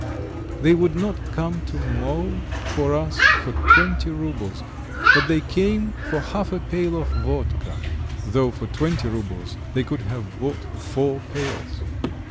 They would not come to mow for us for twenty roubles, but they came for half a pail of vodka, though for twenty roubles they could have bought four pails.